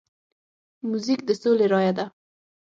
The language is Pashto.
موزیک د سولې رایه ده.